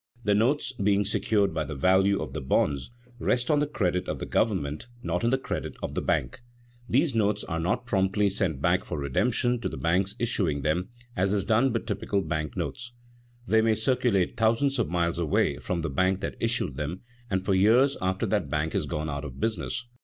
The notes, being secured by the value of the bonds, rest on the credit of the government, not on the credit of the bank. These notes are not promptly sent back for redemption to the banks issuing them, as is done with typical bank notes. They may circulate thousands of miles away from the bank that issued them, and for years after that bank has gone out of business.